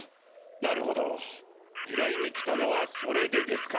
なるほど依頼に来たのはそれでですか？